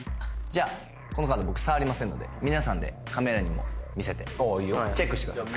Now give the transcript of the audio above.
じゃあこのカード僕触りませんので皆さんでカメラにも見せてチェックしてください